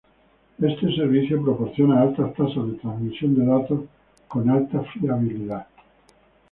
Este servicio proporciona altas tasas de transmisión de datos con alta fiabilidad.